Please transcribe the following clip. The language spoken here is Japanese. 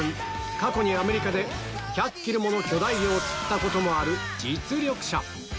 過去にアメリカで１００ｋｇもの巨大魚を釣ったこともある実力者